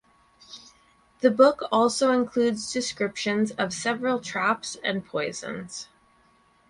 The book also includes descriptions of several traps and poisons.